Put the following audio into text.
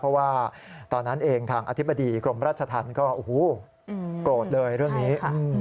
เพราะว่าตอนนั้นเองทางอธิบดีกรมราชธรรมก็โอ้โหโกรธเลยเรื่องนี้